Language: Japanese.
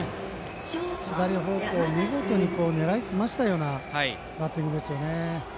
左方向、見事に狙い澄ましたようなバッティングですね。